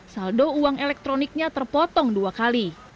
saldo uang elektroniknya terpotong dua kali